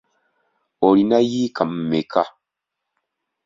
Olina yiika mmeka?